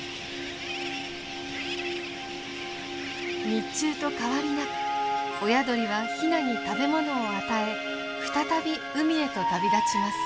日中と変わりなく親鳥はヒナに食べ物を与え再び海へと旅立ちます。